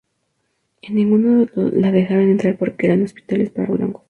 En ninguno la dejaron entrar porque eran "hospitales para blancos".